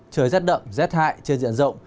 trời rét đậm rét hại trên diện rộng